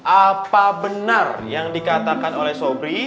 apa benar yang dikatakan oleh sobri